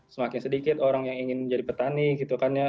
semakin sedikit orang yang ingin menjadi petani gitu kan ya